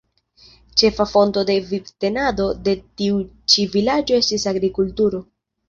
Ĉefa fonto de vivtenado de tiu ĉi vilaĝo estis agrikulturo.